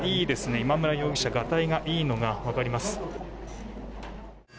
今村容疑者、ガタイがいいのが分かります。